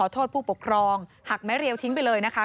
โทษผู้ปกครองหักไม้เรียวทิ้งไปเลยนะคะ